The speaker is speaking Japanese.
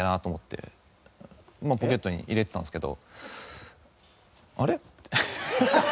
ポケットに入れてたんですけど。